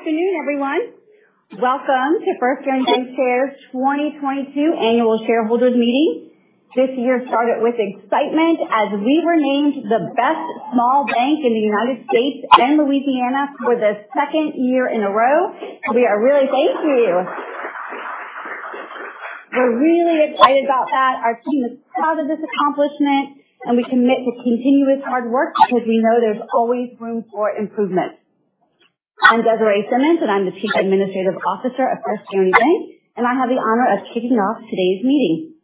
Good afternoon, everyone. Welcome to First Guaranty Bancshares 2022 Annual Shareholders Meeting. This year started with excitement as we were named the best small bank in the United States and Louisiana for the second year in a row. We are really. Thank you. We're really excited about that. Our team is proud of this accomplishment, and we commit to continuous hard work because we know there's always room for improvement. I'm Desiree Simmons, and I'm the Chief Administrative Officer of First Guaranty Bank, and I have the honor of kicking off today's meeting.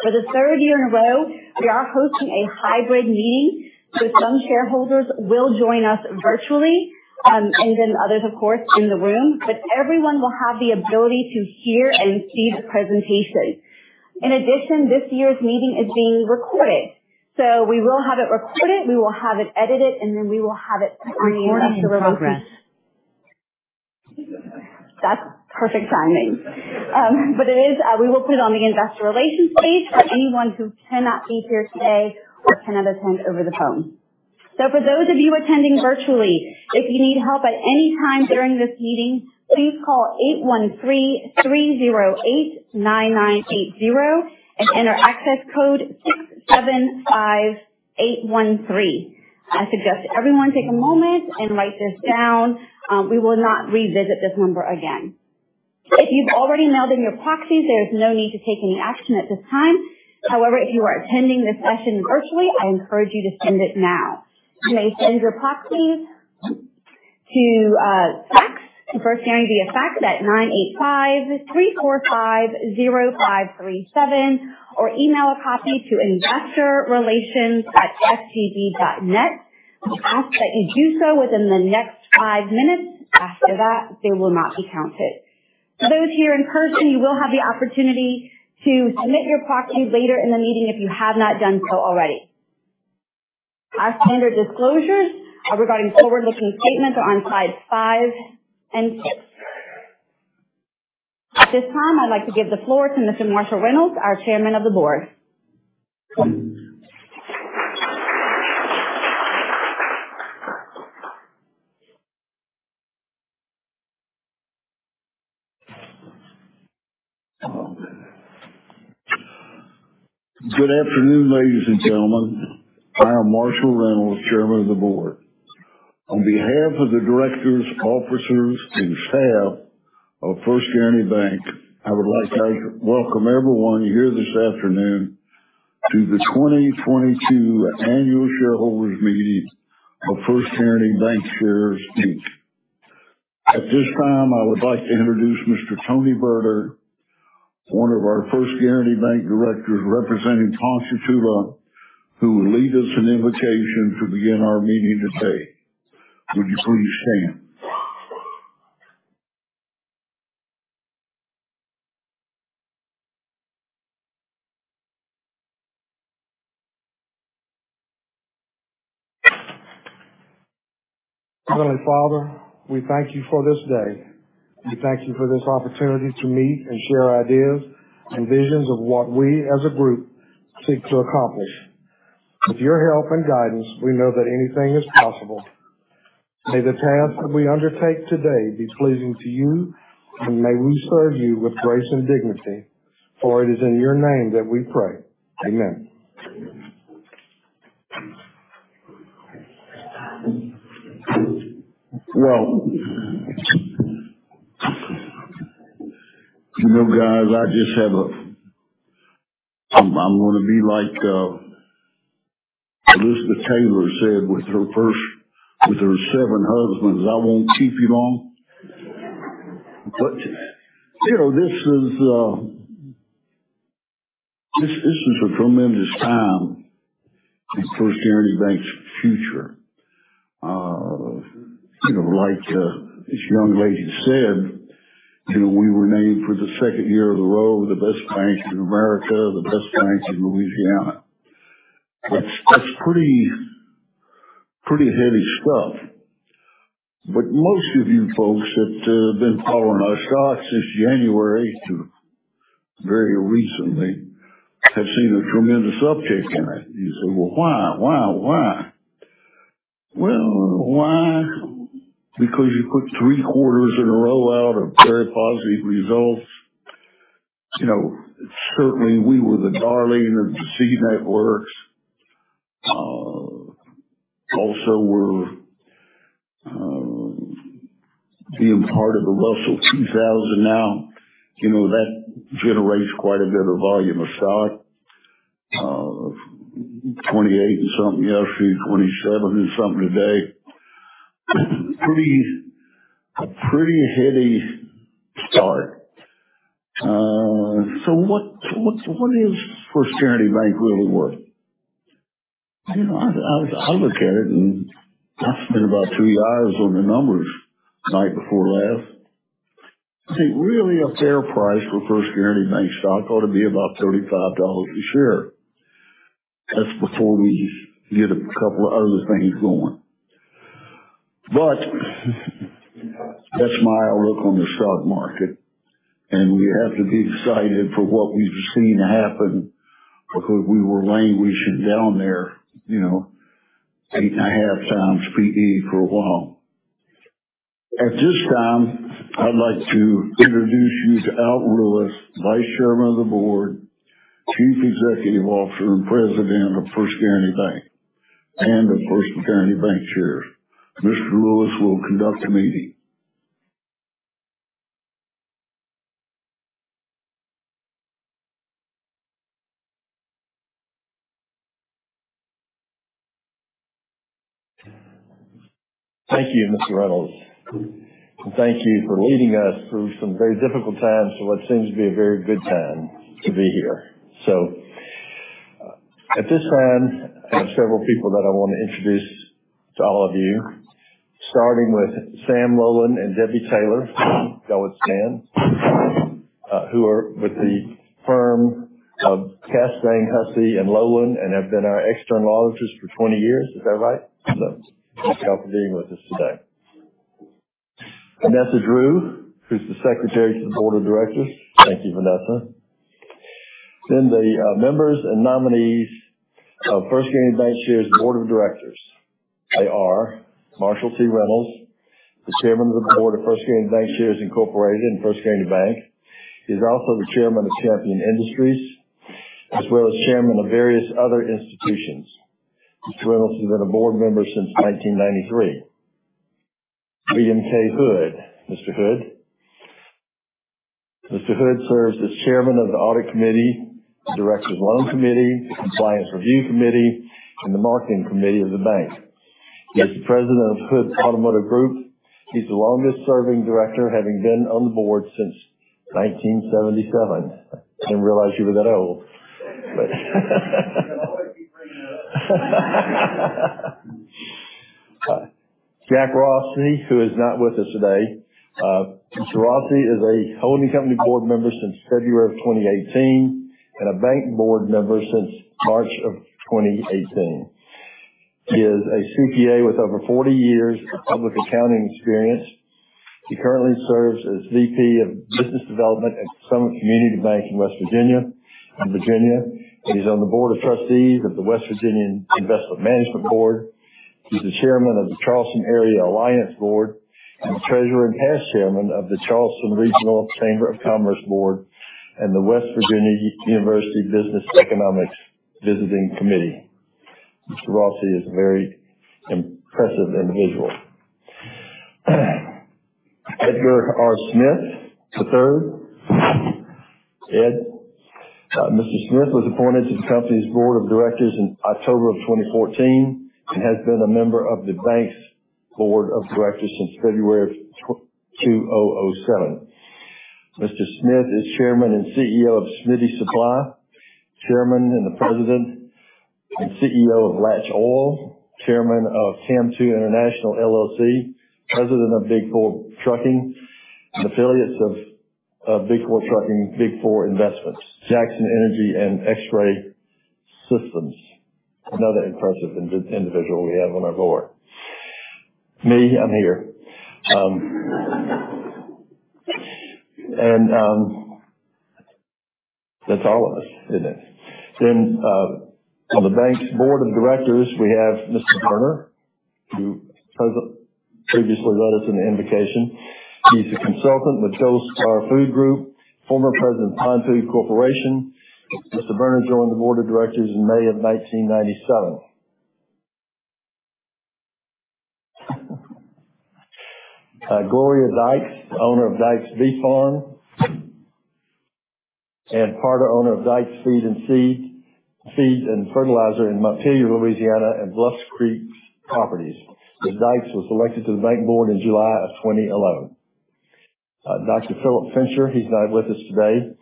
For the third year in a row, we are hosting a hybrid meeting, so some shareholders will join us virtually, and then others, of course, in the room. But everyone will have the ability to hear and see the presentation. In addition, this year's meeting is being recorded. We will have it recorded, we will have it edited, and then we will have it on the investor relations. That's perfect timing. It is we will put it on the investor relations page for anyone who cannot be here today or cannot attend over the phone. For those of you attending virtually, if you need help at any time during this meeting, please call 813-308-9980 and enter access code 675813. I suggest everyone take a moment and write this down. We will not revisit this number again. If you've already mailed in your proxies, there is no need to take any action at this time. However, if you are attending this session virtually, I encourage you to send it now. You may send your proxies to, fax to First Guaranty via fax at 985-345-0537 or email a copy to investorrelations@fgb.net. We ask that you do so within the next 5 minutes. After that, they will not be counted. For those here in person, you will have the opportunity to submit your proxy later in the meeting if you have not done so already. Our standard disclosures regarding forward-looking statements are on Slide 5 and 6. At this time, I'd like to give the floor to Mr. Marshall Reynolds, our Chairman of the Board. Good afternoon, ladies and gentlemen. I am Marshall Reynolds, Chairman of the Board. On behalf of the directors, officers, and staff of First Guaranty Bank, I would like to welcome everyone here this afternoon to the 2022 annual shareholders meeting of First Guaranty Bancshares, Inc. At this time, I would like to introduce Mr. Tony Berner, one of our First Guaranty Bank directors representing Ponchatoula, who will lead us in invocation to begin our meeting today. Would you please stand? Heavenly Father, we thank You for this day. We thank You for this opportunity to meet and share ideas and visions of what we as a group seek to accomplish. With Your help and guidance, we know that anything is possible. May the tasks that we undertake today be pleasing to You, and may we serve You with grace and dignity. For it is in Your name that we pray. Amen. Well, you know guys, I just have a, I'm gonna be like Elizabeth Taylor said with her seven husbands, "I won't keep you long." You know, this is a tremendous time in First Guaranty Bank's future. You know, like this young lady said, you know, we were named for the second year in a row, the best bank in America, the best bank in Louisiana. That's pretty heavy stuff. Most of you folks that have been following our stock since January to very recently have seen a tremendous uptake in it. You say, "Well, why? Why? Why?" Well, why? Because you put three quarters in a row out of very positive results. You know, certainly we were the darling of the CNBC. Also we're being part of the Russell 2000 now. You know, that generates quite a bit of volume of stock. 28 and something yesterday, 27 and something today. Pretty heady start. So what is First Guaranty Bank really worth? You know, I look at it, and I spent about two hours on the numbers night before last. See, really a fair price for First Guaranty Bank stock ought to be about $35 a share. That's before we get a couple of other things going. But that's my outlook on the stock market. We have to be excited for what we've seen happen because we were languishing down there, you know, 8.5x PE for a while. At this time, I'd like to introduce you to Al Lewis, Vice Chairman of the Board, Chief Executive Officer, and President of First Guaranty Bancshares, and the First Guaranty Bancshares. Mr. Lewis will conduct the meeting. Thank you, Mr. Reynolds. Thank you for leading us through some very difficult times to what seems to be a very good time to be here. At this time, I have several people that I want to introduce to all of you, starting with Sam Losavio and Debbie Taylor. Go with Sam. Who are with the firm of Castaing, Hussey & Lolan, and have been our external auditors for 20 years. Is that right? Thank you all for being with us today. Vanessa Drew, who's the Secretary to the Board of Directors. Thank you, Vanessa. The members and nominees of First Guaranty Bancshares board of directors. They are Marshall T. Reynolds, the Chairman of the Board of First Guaranty Bancshares, Inc. and First Guaranty Bank. He's also the chairman of Champion Industries, as well as chairman of various other institutions. Mr. Reynolds has been a board member since 1993. William K. Hood. Mr. Hood. Mr. Hood serves as chairman of the audit committee, the directors loan committee, the compliance review committee, and the marketing committee of the bank. He is the president of Hood Automotive Group. He's the longest serving director, having been on the board since 1977. I didn't realize you were that old. You'll always be bringing that up. Jack Rossi, who is not with us today. Mr. Rossi is a holding company board member since February 2018, and a bank board member since March 2018. He is a CPA with over 40 years of public accounting experience. He currently serves as VP of Business Development at Summit Community Bank in West Virginia and Virginia. He's on the board of trustees of the West Virginia Investment Management Board. He's the chairman of the Charleston Area Alliance Board and treasurer and past chairman of the Charleston Regional Chamber of Commerce Board and the West Virginia University Business Economics Visiting Committee. Mr. Rossi is a very impressive individual. Edgar R. Smith III. Ed. Mr. Smith was appointed to the company's board of directors in October 2014 and has been a member of the bank's board of directors since February 2007. Mr. Smith is chairman and CEO of Smitty's Supply, Inc., chairman and the president and CEO of Latch Oil, Inc., chairman of CAM2 International, LLC, president of BIG 4 Trucking, and affiliates of Big 4 Trucking, Big 4 Investments, Jackson Energy Cooperative, and X-Ray Systems. Another impressive individual we have on our board. Me, I'm here. That's all of us, isn't it? On the bank's board of directors, we have Mr. Berner, who previously led us in the invocation. He's a consultant with HillStar, former president of Pine Valley Foods, Inc. Mr. Berner joined the board of directors in May 1997. Gloria Dykes, the owner of Dykes Beef Farm and part owner of Dykes Feed & Fertilizer Inc. in Montpelier, Louisiana, and Bluff Creek Properties.Ms. Dykes was elected to the bank board in July 2011. Dr. Phillip Fincher, he's not with us today.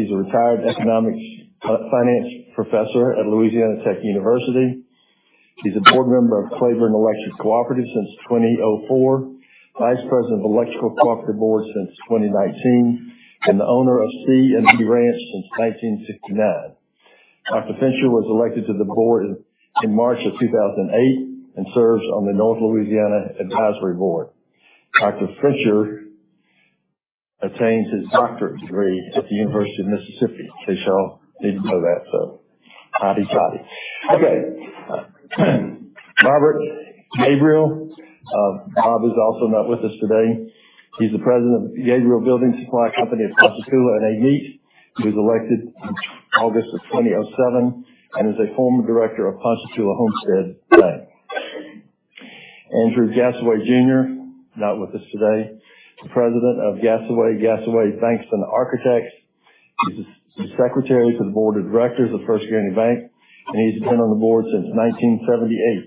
He's a retired economics, finance professor at Louisiana Tech University. He's a board member of Claiborne Electric Cooperative since 2004, vice president of Electric Cooperative Board since 2019, and the owner of C&D Ranch since 1969. Dr. Fincher was elected to the board in March of 2008 and serves on the North Louisiana Advisory Board. Dr. Fincher attained his doctorate degree at the University of Mississippi. In case y'all didn't know that, so hotty toddy. Okay. Robert Gabriel. Bob is also not with us today. He's the president of Gabriel Building Supply Company of Ponchatoula and Amite. He was elected in August of 2007 and is a former director of Ponchatoula Homestead Bank. Andrew Gasaway, Jr., not with us today, the president of Gasaway, Gasaway & Bankston Architects. He's the secretary to the board of directors of First Guaranty Bank, and he's been on the board since 1978.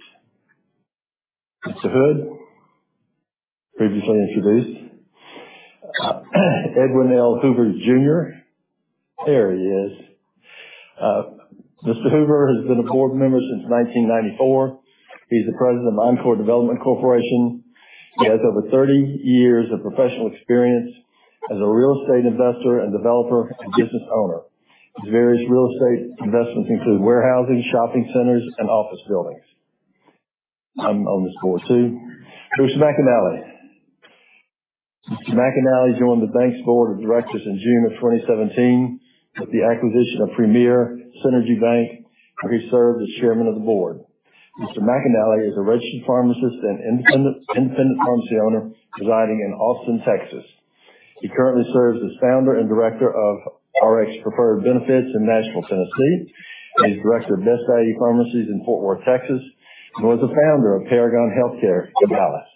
Mr. Hood, previously introduced. Edwin L. Hoover Jr. There he is. Mr. Hoover has been a board member since 1994. He's the president of Encore Development Corporation. He has over 30 years of professional experience as a real estate investor and developer and business owner. His various real estate investments include warehousing, shopping centers, and office buildings. I'm on this board, too. Bruce McAnally. Mr. McAnally joined the bank's board of directors in June 2017 with the acquisition of Synergy Bank, where he served as chairman of the board. Mr. McAnally is a registered pharmacist and independent pharmacy owner residing in Austin, Texas. He currently serves as founder and director of RxPreferred Benefits in Nashville, Tennessee, and is director of Best Value Pharmacies in Fort Worth, Texas, and was a founder of Paragon Healthcare in Dallas.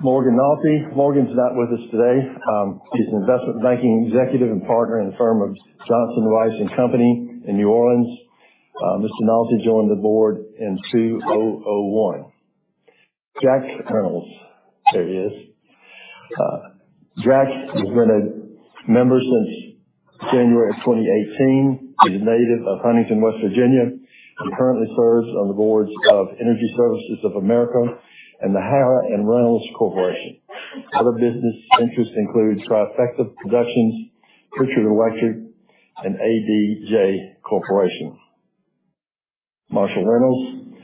Morgan S. Nalty. Morgan S. Nalty's not with us today. He's an investment banking executive and partner in the firm of Johnson Rice & Company in New Orleans. Mr. Nalty joined the board in 2001. Jack M. Reynolds. There he is. Jack has been a member since January 2018. He's a native of Huntington, West Virginia, and currently serves on the boards of Energy Services of America and the Reynolds and Reynolds Corporation. Other business interests includes Trifecta Productions, Pritchard Electric, and ADJ Corporation. Marshall Reynolds.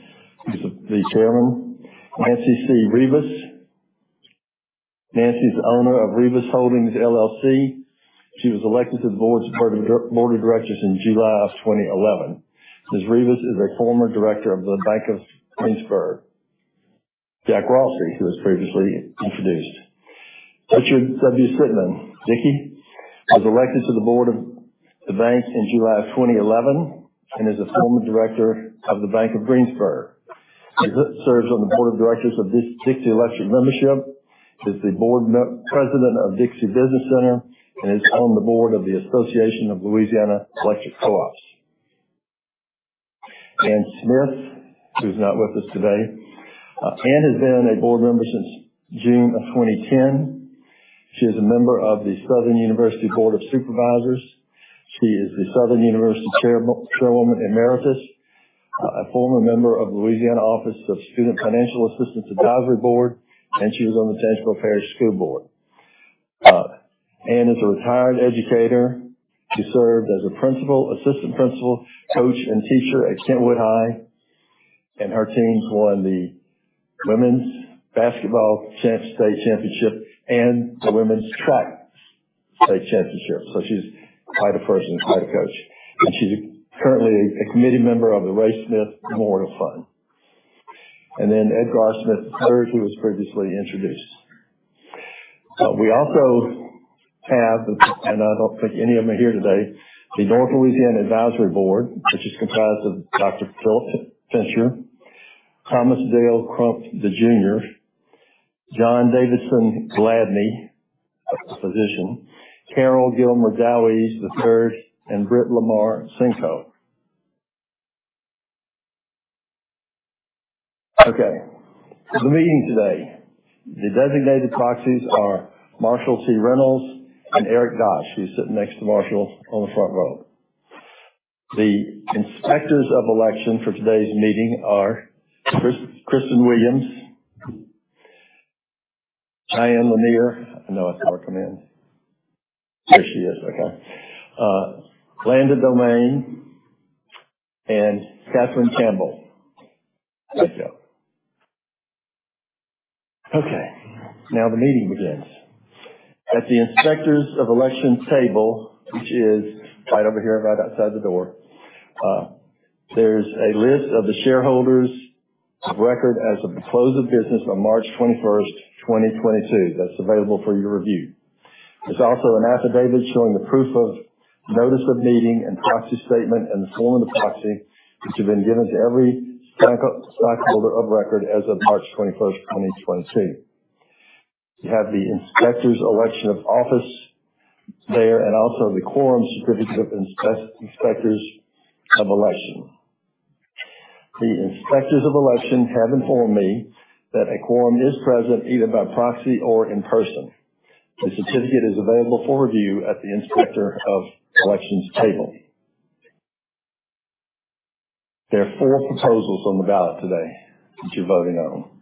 He's the vice chairman. Nanci C. Rivas. Nanci's the owner of Rivas Holdings LLC. She was elected to the board of directors in July 2011. Ms. Rivas is a former director of the Bank of Greensburg. Jack Rossi, who was previously introduced. Richard W. Strittmatter. Ricky was elected to the board of the bank in July 2011 and is a former director of the Bank of Greensburg. He serves on the board of directors of Dixie Electric Membership Corporation, is the president of Dixie Business Center, and is on the board of the Association of Louisiana Electric Cooperatives. Ann A. Smith, who's not with us today. Ann A. Smith has been a board member since June 2010. She is a member of the Southern University Board of Supervisors. She is the Southern University chairwoman emeritus, a former member of Louisiana Office of Student Financial Assistance Advisory Board, and she was on the Tangipahoa Parish School Board. Anne is a retired educator. She served as a principal, assistant principal, coach, and teacher at Kentwood High, and her teams won the women's basketball state championship and the women's track state championship. She's quite a person, quite a coach. She's currently a committee member of the Ray Smith Memorial Grant. Edgar Smith III, who was previously introduced. We also have, and I don't think any of them are here today, the North Louisiana Advisory Board, which is comprised of Dr. Phillip Fincher, Thomas Dale Crump Jr., John Davidson Gladney, a physician, Carroll Gilmer Dowe III, and Britt Lamar Sincox. Okay, the meeting today. The designated proxies are Marshall T. Reynolds and Eric Dosch, who's sitting next to Marshall on the front row. The inspectors of election for today's meeting are Kristen Williams, Cheyenne Lanier. I know I saw her come in. There she is. Okay. Landon Domangue and Katherine K. Campbell. There you go. Okay, now the meeting begins. At the inspectors of elections table, which is right over here, right outside the door, there's a list of the shareholders of record as of the close of business on March 21, 2022. That's available for your review. There's also an affidavit showing the proof of notice of meeting and proxy statement and form of proxy, which have been given to every stockholder of record as of March 21st, 2022. You have the inspectors of election office there and also the quorum certificate of inspectors of election. The inspectors of election have informed me that a quorum is present either by proxy or in person. The certificate is available for review at the inspector of elections table. There are four proposals on the ballot today that you're voting on.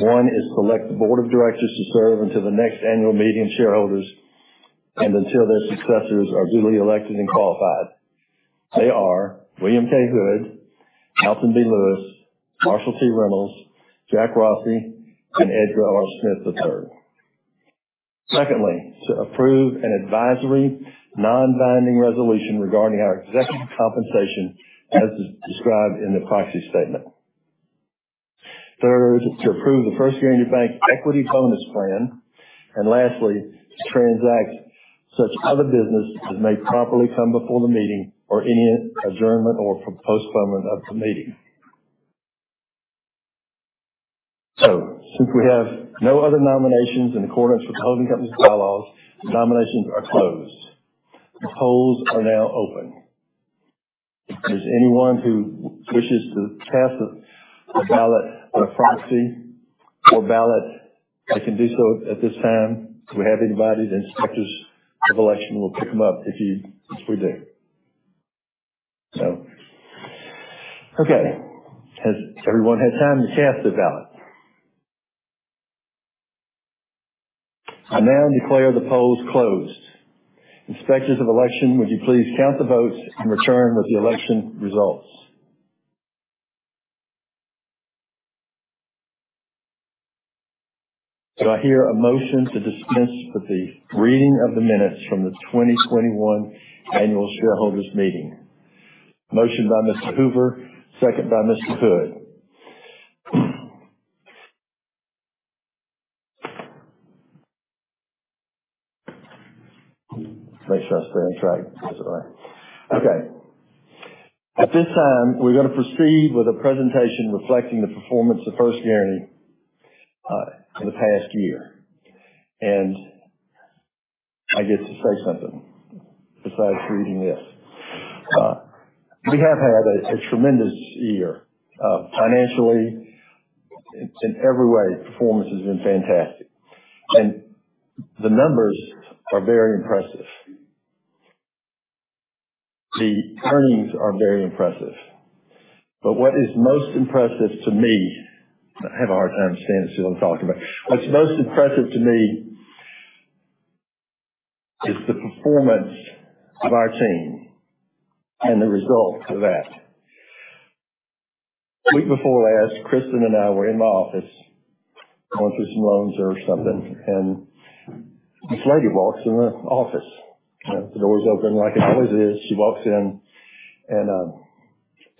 One is to elect the board of directors to serve until the next annual meeting of shareholders and until their successors are duly elected and qualified. They are William K. Hood, Alton B. Lewis, Marshall T. Reynolds, Jack Rossi, and Edgar R. Smith III. Secondly, to approve an advisory, non-binding resolution regarding our executive compensation as is described in the proxy statement. Third is to approve the First Guaranty Bank Equity Bonus Plan. Lastly, to transact such other business as may properly come before the meeting or any adjournment or postponement of the meeting. Since we have no other nominations in accordance with the holding company's bylaws, the nominations are closed. The polls are now open. If there's anyone who wishes to cast a ballot by proxy or ballot, they can do so at this time. If we have anybody, the inspectors of election will pick them up if we do. Okay, has everyone had time to cast their ballot? I now declare the polls closed. Inspectors of election, would you please count the votes and return with the election results? Do I hear a motion to dismiss with the reading of the minutes from the 2021 annual shareholders meeting? Motion by Mr. Hoover, second by Mr. Hood. Make sure I say that right. Okay. At this time, we're going to proceed with a presentation reflecting the performance of First Guaranty in the past year. I get to say something besides reading this. We have had a tremendous year financially. In every way, performance has been fantastic. The numbers are very impressive. The earnings are very impressive. What is most impressive to me. I have a hard time standing still when talking about it. What's most impressive to me is the performance of our team and the result of that. Week before last, Kristen and I were in my office going through some loans or something, and this lady walks in the office. The door's open like it always is. She walks in and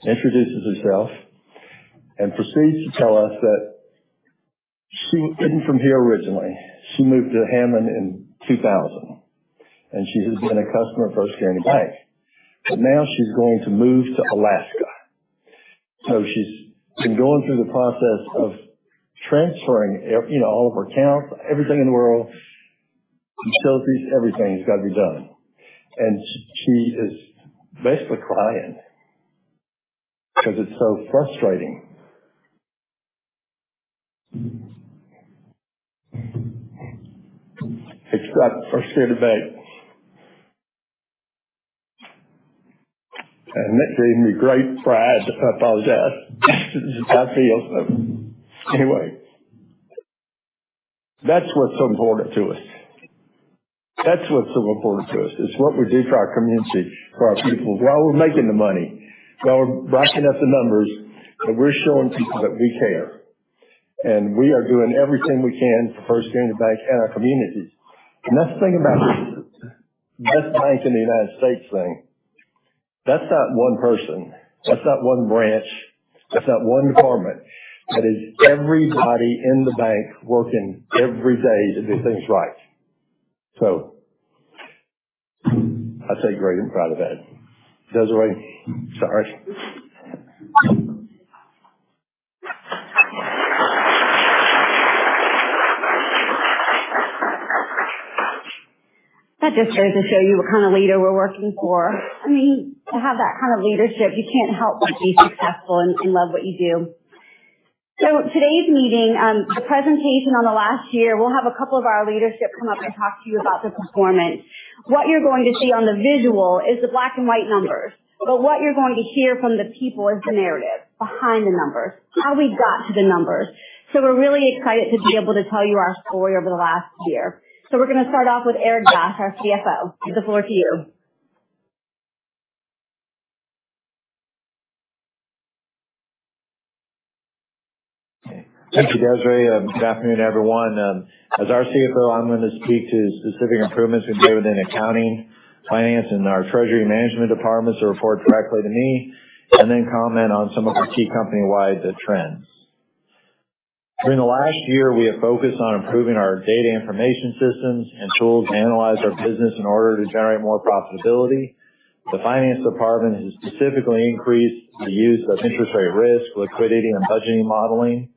introduces herself and proceeds to tell us that she isn't from here originally. She moved to Hammond in 2000, and she has been a customer of First Guaranty Bank. Now she's going to move to Alaska. So she's been going through the process of transferring you know, all of her accounts, everything in the world, utilities, everything's got to be done. She is basically crying because it's so frustrating. It's got First Guaranty Bank. That gave me great pride, I apologize. I feel. Anyway. That's what's so important to us, is what we do for our community, for our people. While we're making the money, while we're racking up the numbers, that we're showing people that we care, and we are doing everything we can for First Guaranty Bank and our communities. That's the thing about best bank in the United States thing. That's not one person, that's not one branch, that's not one department. That is everybody in the bank working every day to do things right. I take great pride in that. Desiree? Sorry. That just goes to show you what kind of leader we're working for. I mean, to have that kind of leadership, you can't help but be successful and love what you do. Today's meeting, the presentation on the last year, we'll have a couple of our leadership come up and talk to you about the performance. What you're going to see on the visual is the black and white numbers. What you're going to hear from the people is the narrative behind the numbers, how we got to the numbers. We're really excited to be able to tell you our story over the last year. We're going to start off with Eric Dosch, our CFO. Give the floor to you. Thank you, Desiree. Good afternoon, everyone. As our CFO, I'm going to speak to specific improvements we've made within accounting, finance, and our treasury management departments that report directly to me, and then comment on some of the key company-wide trends. During the last year, we have focused on improving our data information systems and tools to analyze our business in order to generate more profitability. The finance department has specifically increased the use of interest rate risk, liquidity, and budgeting modeling.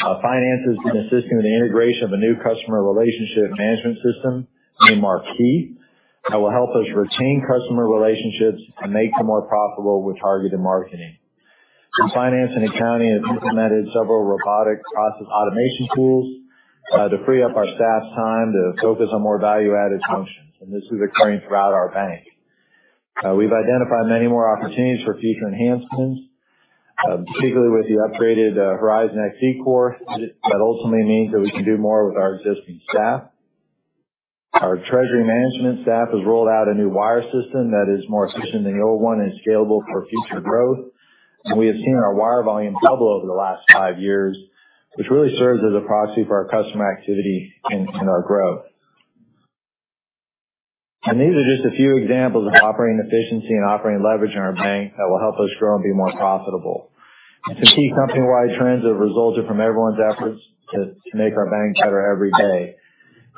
Finance has been assisting in the integration of a new customer relationship management system named Marquis, that will help us retain customer relationships and make them more profitable with targeted marketing. Finance and accounting has implemented several robotic process automation tools, to free up our staff's time to focus on more value-added functions, and this is occurring throughout our bank. We've identified many more opportunities for future enhancements, particularly with the upgraded Horizon XE core. That ultimately means that we can do more with our existing staff. Our treasury management staff has rolled out a new wire system that is more efficient than the old one and scalable for future growth. We have seen our wire volume double over the last five years, which really serves as a proxy for our customer activity and our growth. These are just a few examples of operating efficiency and operating leverage in our bank that will help us grow and be more profitable. The key company-wide trends have resulted from everyone's efforts to make our bank better every day.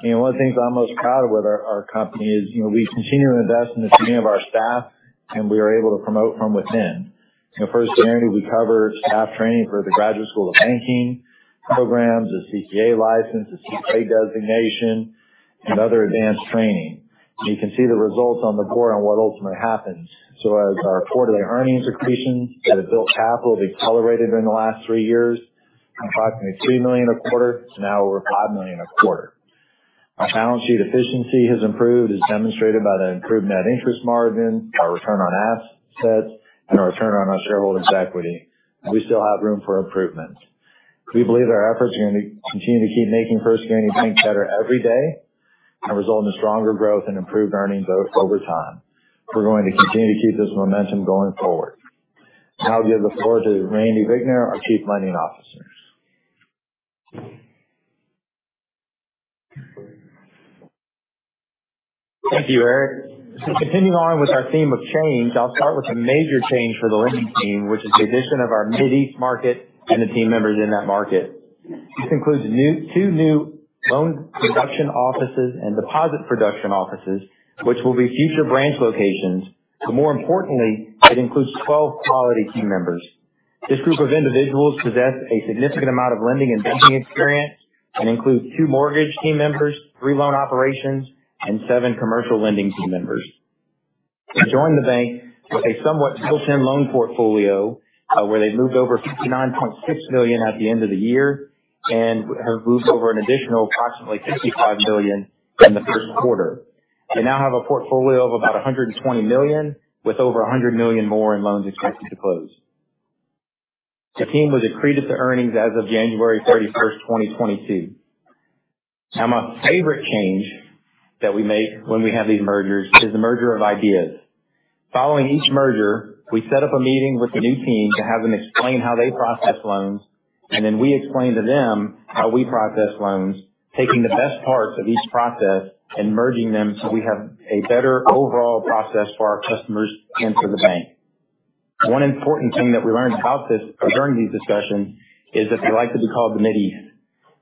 You know, one of the things I'm most proud of with our company is, you know, we continue to invest in the training of our staff, and we are able to promote from within. At First Guaranty, we cover staff training for the Graduate School of Banking programs, a CCA license, a CPA designation, and other advanced training. You can see the results on the board on what ultimately happens. As our quarterly earnings accretion that have built capital have accelerated in the last three years from approximately $2 million a quarter to now over $5 million a quarter. Our balance sheet efficiency has improved, as demonstrated by the improved net interest margin, our return on assets, and our return on our shareholders' equity. We still have room for improvement. We believe our efforts are going to continue to keep making First Guaranty Bank better every day and result in stronger growth and improved earnings over time. We're going to continue to keep this momentum going forward. Now I'll give the floor to Randy Vicknair, our Chief Lending Officer. Thank you, Eric. To continue on with our theme of change, I'll start with a major change for the lending team, which is the addition of our Mid East market and the team members in that market. This includes two new loan production offices and deposit production offices, which will be future branch locations. More importantly, it includes 12 quality team members. This group of individuals possess a significant amount of lending and banking experience and includes two mortgage team members, three loan operations, and seven commercial lending team members. They joined the bank with a somewhat tail-end loan portfolio, where they moved over $59.6 million at the end of the year and have moved over an additional approximately $65 million in the first quarter. They now have a portfolio of about $120 million, with over $100 million more in loans expected to close. The team was accreted to earnings as of January 31st, 2022. My favorite change that we make when we have these mergers is the merger of ideas. Following each merger, we set up a meeting with the new team to have them explain how they process loans, and then we explain to them how we process loans, taking the best parts of each process and merging them so we have a better overall process for our customers and for the bank. One important thing that we learned about this during these discussions is that they like to be called the Mid East.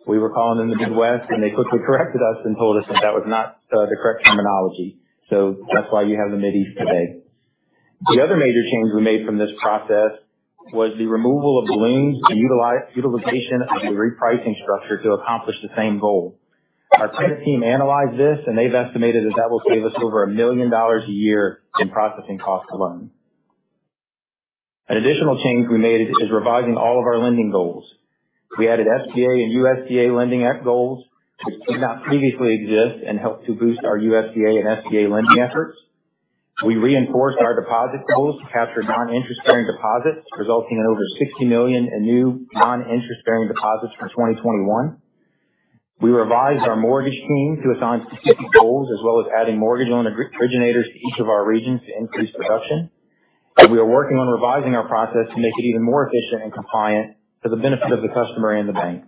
We were calling them the Mid West, and they quickly corrected us and told us that that was not the correct terminology. That's why you have the Mid East today. The other major change we made from this process was the removal of balloons, the utilization of the repricing structure to accomplish the same goal. Our credit team analyzed this, and they've estimated that will save us over $1 million a year in processing cost alone. An additional change we made is revising all of our lending goals. We added SBA and USDA lending goals that did not previously exist and helped to boost our USDA and SBA lending efforts. We reinforced our deposit goals to capture non-interest-bearing deposits, resulting in over $60 million in new non-interest-bearing deposits for 2021. We revised our mortgage team to assign specific goals, as well as adding mortgage loan originators to each of our regions to increase production. We are working on revising our process to make it even more efficient and compliant for the benefit of the customer and the bank.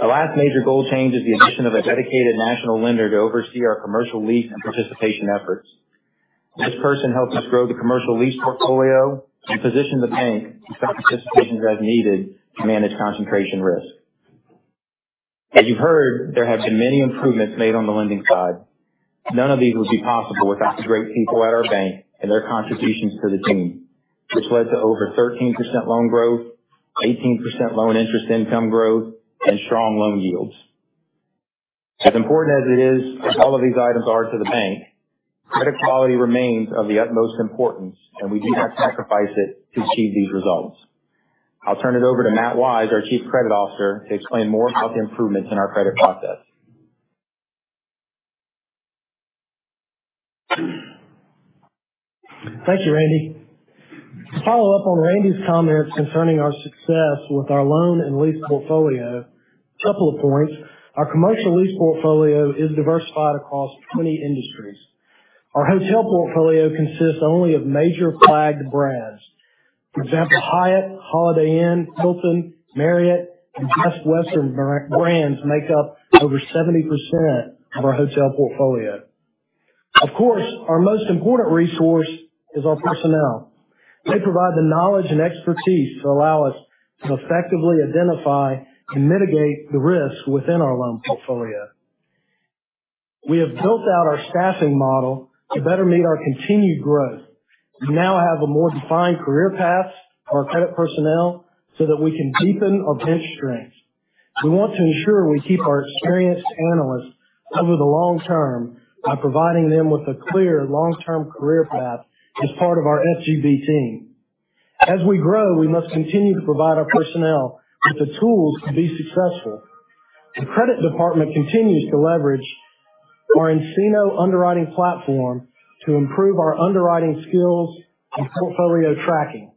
The last major goal change is the addition of a dedicated national lender to oversee our commercial lease and participation efforts. This person helps us grow the commercial lease portfolio and position the bank to sell participations as needed to manage concentration risk. As you've heard, there have been many improvements made on the lending side. None of these would be possible without the great people at our bank and their contributions to the team, which led to over 13% loan growth, 18% loan interest income growth, and strong loan yields. As important as it is, all of these items are to the bank, credit quality remains of the utmost importance, and we do not sacrifice it to achieve these results. I'll turn it over to Matt Wise, our Chief Credit Officer, to explain more about the improvements in our credit process. Thank you, Randy. To follow up on Randy's comments concerning our success with our loan and lease portfolio, a couple of points. Our commercial lease portfolio is diversified across 20 industries. Our hotel portfolio consists only of major flagged brands. For example, Hyatt, Holiday Inn, Hilton, Marriott, and Best Western brands make up over 70% of our hotel portfolio. Of course, our most important resource is our personnel. They provide the knowledge and expertise to allow us to effectively identify and mitigate the risks within our loan portfolio. We have built out our staffing model to better meet our continued growth. We now have a more defined career path for our credit personnel so that we can deepen our bench strength. We want to ensure we keep our experienced analysts over the long term by providing them with a clear long-term career path as part of our FGB team. As we grow, we must continue to provide our personnel with the tools to be successful. The credit department continues to leverage our nCino underwriting platform to improve our underwriting skills and portfolio tracking.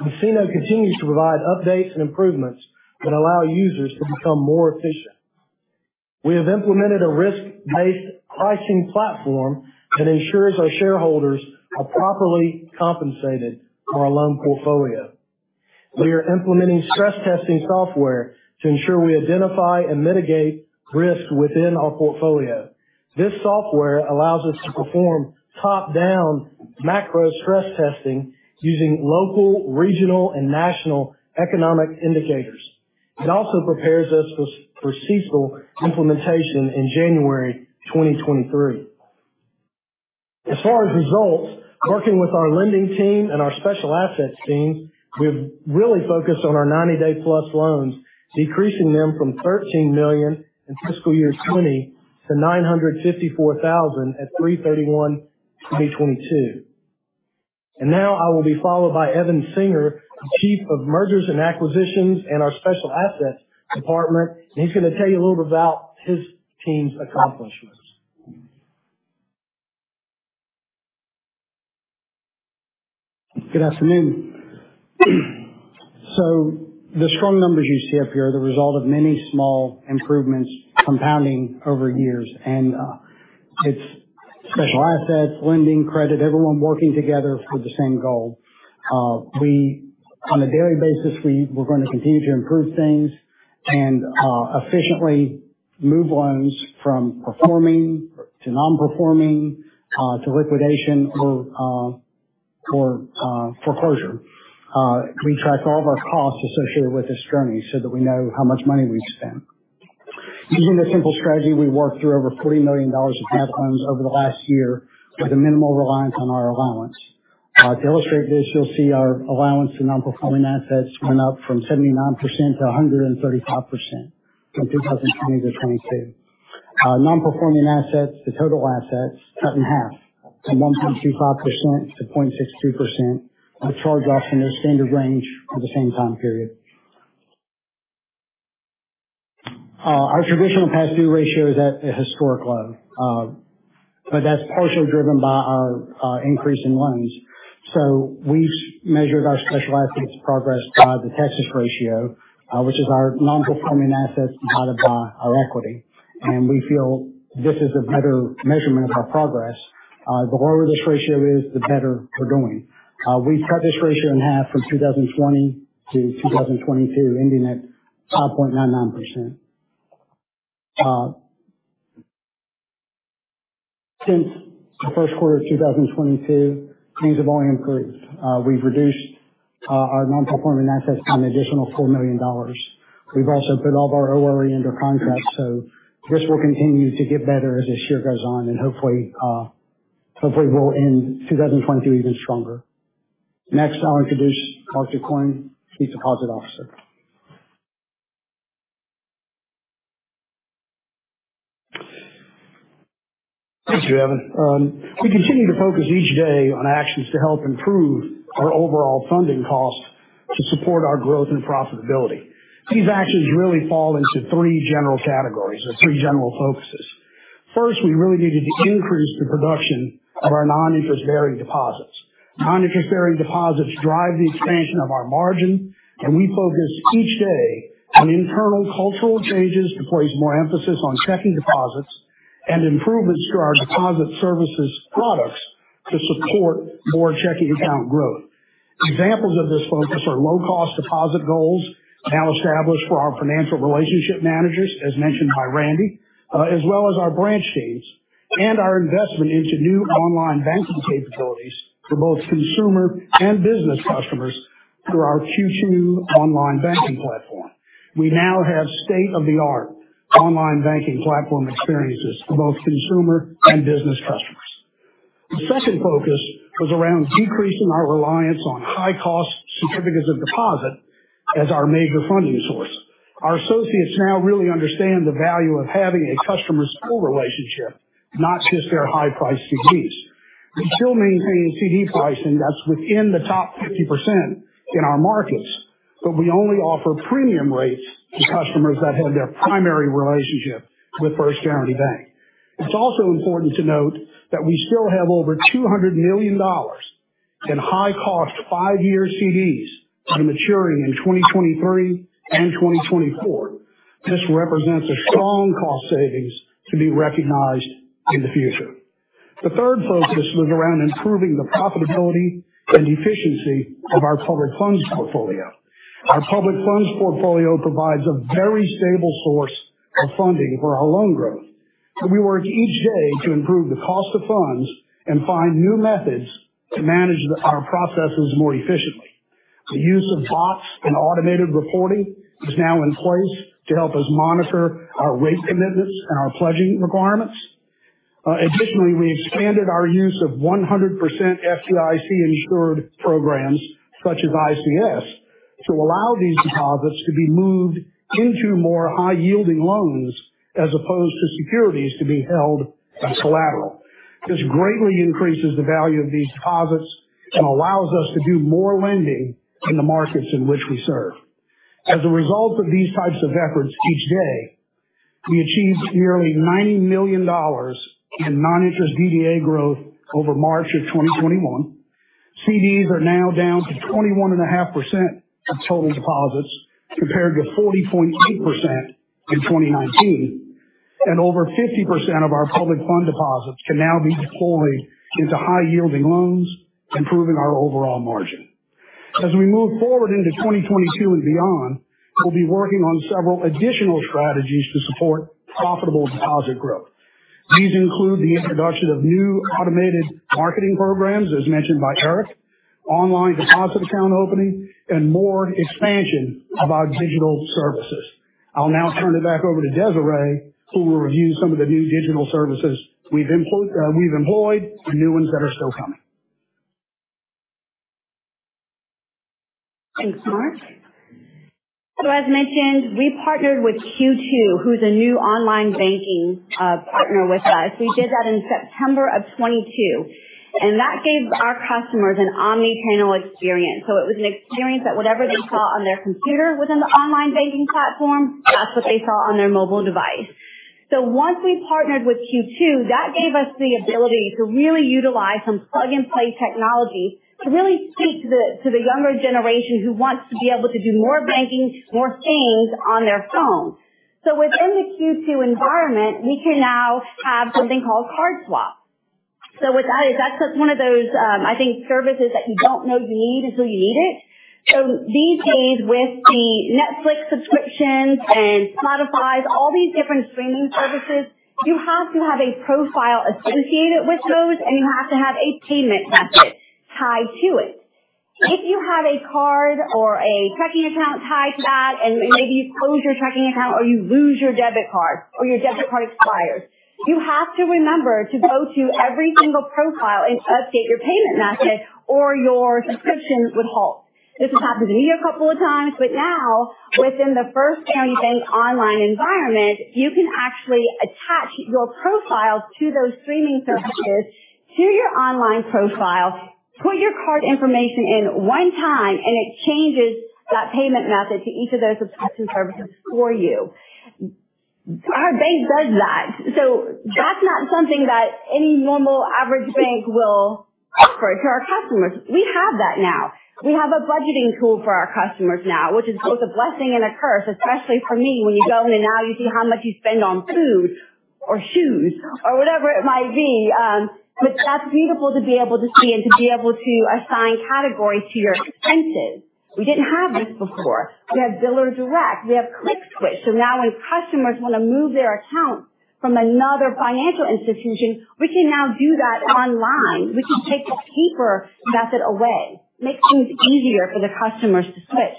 nCino continues to provide updates and improvements that allow users to become more efficient. We have implemented a risk-based pricing platform that ensures our shareholders are properly compensated for our loan portfolio. We are implementing stress testing software to ensure we identify and mitigate risk within our portfolio. This software allows us to perform top-down macro stress testing using local, regional, and national economic indicators. It also prepares us for CECL implementation in January 2023. As far as results, working with our lending team and our special assets team, we've really focused on our 90-day plus loans, decreasing them from $13 million in fiscal year 2020 to $954,000 at 3/31/2022. Now I will be followed by Evan Singer, the Chief of Mergers and Acquisitions and our Special Assets department, and he's gonna tell you a little bit about his team's accomplishments. Good afternoon. The strong numbers you see up here are the result of many small improvements compounding over years. It's special assets, lending credit, everyone working together for the same goal. On a daily basis, we're going to continue to improve things and efficiently move loans from performing to non-performing to liquidation or foreclosure. We track all of our costs associated with this journey so that we know how much money we spend. Using this simple strategy, we worked through over $40 million of bad loans over the last year with a minimal reliance on our allowance. To illustrate this, you'll see our allowance to non-performing assets went up from 79%-135% from 2020 to 2022. Non-performing assets to total assets cut in half from 1.25%-0.62%, our charge-offs in their standard range for the same time period. Our traditional past due ratio is at a historic low, but that's partially driven by our increase in loans. We measured our special assets progress by the Texas Ratio, which is our non-performing assets divided by our equity, and we feel this is a better measurement of our progress. The lower this ratio is, the better we're doing. We cut this ratio in half from 2020 to 2022, ending at 5.99%. Since the first quarter of 2022, things have only improved. We've reduced our non-performing assets by an additional $4 million. We've also put all of our ORE into contract, so this will continue to get better as this year goes on and hopefully we'll end 2022 even stronger. Next, I'll introduce Mark Ducoing, Chief Deposit Officer. Thank you, Evan. We continue to focus each day on actions to help improve our overall funding cost to support our growth and profitability. These actions really fall into three general categories or three general focuses. First, we really needed to increase the production of our non-interest bearing deposits. Non-interest bearing deposits drive the expansion of our margin, and we focus each day on internal cultural changes to place more emphasis on checking deposits and improvements to our deposit services products to support more checking account growth. Examples of this focus are low cost deposit goals now established for our financial relationship managers, as mentioned by Randy, as well as our branch teams and our investment into new online banking capabilities for both consumer and business customers through our Q2 online banking platform. We now have state-of-the-art online banking platform experiences for both consumer and business customers. The second focus was around decreasing our reliance on high cost certificates of deposit as our major funding source. Our associates now really understand the value of having a customer full relationship, not just their high price CDs. We still maintain CD pricing that's within the top 50% in our markets, but we only offer premium rates to customers that have their primary relationship with First Guaranty Bank. It's also important to note that we still have over $200 million in high cost five-year CDs that are maturing in 2023 and 2024. This represents a strong cost savings to be recognized in the future. The third focus was around improving the profitability and efficiency of our public funds portfolio. Our public funds portfolio provides a very stable source of funding for our loan growth, and we work each day to improve the cost of funds and find new methods to manage our processes more efficiently. The use of bots and automated reporting is now in place to help us monitor our rate commitments and our pledging requirements. Additionally, we expanded our use of 100% FDIC insured programs such as ICS to allow these deposits to be moved into more high yielding loans as opposed to securities to be held as collateral. This greatly increases the value of these deposits and allows us to do more lending in the markets in which we serve. As a result of these types of efforts each day, we achieved nearly $90 million in non-interest BDA growth over March 2021. CDs are now down to 21.5% of total deposits, compared to 40.8% in 2019. Over 50% of our public fund deposits can now be deployed into high yielding loans, improving our overall margin. As we move forward into 2022 and beyond, we'll be working on several additional strategies to support profitable deposit growth. These include the introduction of new automated marketing programs, as mentioned by Eric, online deposit account opening, and more expansion of our digital services. I'll now turn it back over to Desiree, who will review some of the new digital services we've employed and new ones that are still coming. Thanks, Mark. As mentioned, we partnered with Q2, who's a new online banking partner with us. We did that in September of 2022. That gave our customers an omni-channel experience. It was an experience that whatever they saw on their computer within the online banking platform, that's what they saw on their mobile device. Once we partnered with Q2, that gave us the ability to really utilize some plug-and-play technology to really speak to the younger generation who wants to be able to do more banking, more things on their phone. Within the Q2 environment, we can now have something called CardSwap. What that is, that's one of those, I think services that you don't know you need until you need it. These days with the Netflix subscriptions and Spotify, all these different streaming services, you have to have a profile associated with those, and you have to have a payment method tied to it. If you have a card or a checking account tied to that, and maybe you close your checking account or you lose your debit card or your debit card expires, you have to remember to go to every single profile and update your payment method or your subscription would halt. This has happened to me a couple of times, but now within the First Guaranty Bank online environment, you can actually attach your profiles to those streaming services to your online profile, put your card information in one time, and it changes that payment method to each of those subscription services for you. Our bank does that. That's not something that any normal average bank will offer to our customers. We have that now. We have a budgeting tool for our customers now, which is both a blessing and a curse, especially for me, when you go in and now you see how much you spend on food or shoes or whatever it might be. But that's beautiful to be able to see and to be able to assign categories to your expenses. We didn't have this before. We have Biller Direct. We have ClickSWITCH. Now when customers want to move their account from another financial institution, we can now do that online. We can take the paper method away, make things easier for the customers to switch.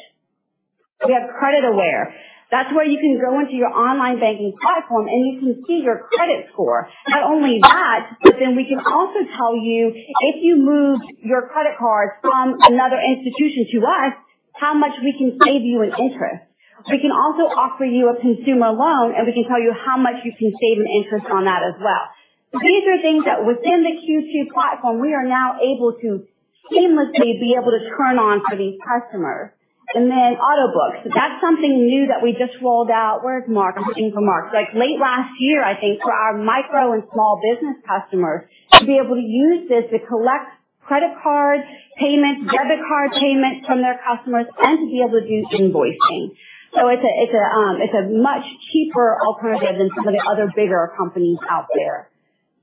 We have Credit Aware. That's where you can go into your online banking platform, and you can see your credit score. Not only that, but then we can also tell you if you moved your credit card from another institution to us, how much we can save you in interest. We can also offer you a consumer loan, and we can tell you how much you can save in interest on that as well. These are things that within the Q2 platform, we are now able to seamlessly be able to turn on for these customers. Autobooks. That's something new that we just rolled out. Where's Mark? I'm looking for Mark. Like, late last year, I think, for our micro and small business customers to be able to use this to collect credit card payments, debit card payments from their customers, and to be able to do invoicing. It's a much cheaper alternative than some of the other bigger companies out there.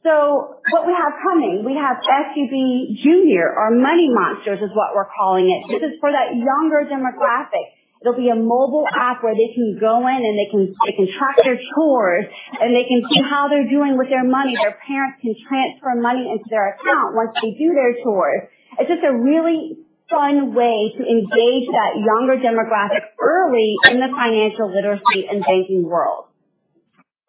What we have coming, we have FGB Junior, or Money Monsters is what we're calling it. This is for that younger demographic. It'll be a mobile app where they can go in and they can track their chores, and they can see how they're doing with their money. Their parents can transfer money into their account once they do their chores. It's just a really fun way to engage that younger demographic early in the financial literacy and banking world.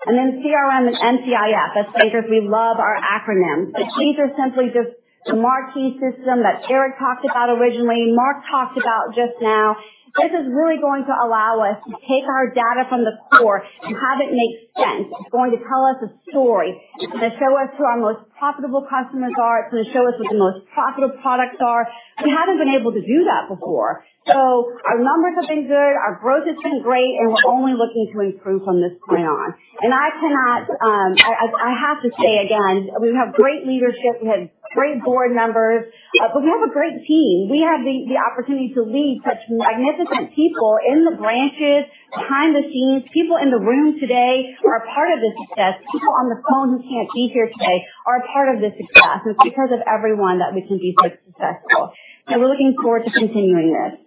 CRM and nCino. That's because we love our acronyms. These are simply just the Marquis system that Eric talked about originally, Mark talked about just now. This is really going to allow us to take our data from the core and have it make sense. It's going to tell us a story. It's going to show us who our most profitable customers are. It's going to show us what the most profitable products are. We haven't been able to do that before. Our numbers have been good. Our growth has been great, and we're only looking to improve from this point on. I have to say again, we have great leadership. We have great board members. We have a great team. We have the opportunity to lead such magnificent people in the branches, behind the scenes. People in the room today are a part of the success. People on the phone who can't be here today are a part of the success. It's because of everyone that we can be so successful. We're looking forward to continuing this.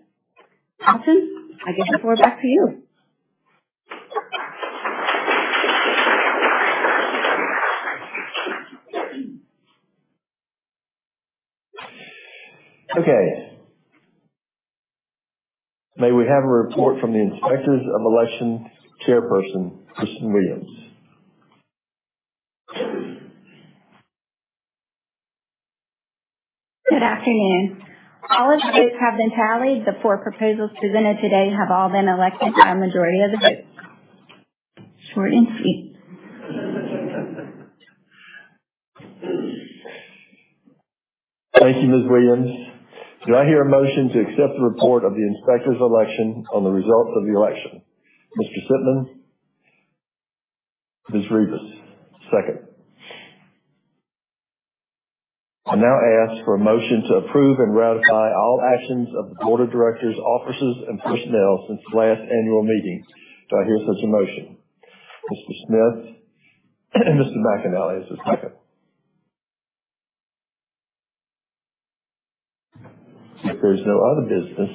Alton, I give the floor back to you. Okay. May we have a report from the Inspectors of Election Chairperson, Kristin Williams. Good afternoon. All votes have been tallied. The four proposals presented today have all been elected by a majority of the votes. Short and sweet. Thank you, Ms. Williams. Do I hear a motion to accept the report of the inspectors of election on the results of the election? Mr. Settoon, Ms. Rivas. Second. I now ask for a motion to approve and ratify all actions of the board of directors, officers, and personnel since the last annual meeting. Do I hear such a motion? Mr. Smith. Mr. McAnally is the second. If there's no other business,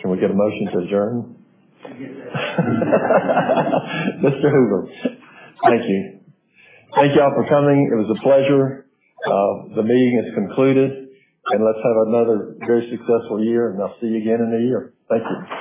can we get a motion to adjourn? Mr. Hoover. Thank you. Thank you all for coming. It was a pleasure. The meeting is concluded, and let's have another very successful year, and I'll see you again in a year. Thank you.